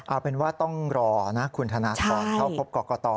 เอาเป็นว่าต้องรอนะคุณธนทรเข้าพบกรกต